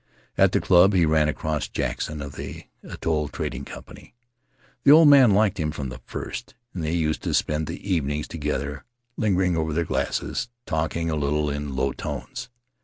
At the club he ran across Jackson of the Atoll Trading Company — the old man liked him from the first and they used to spend the evenings together, lingering over their glasses, talking a little in low tones.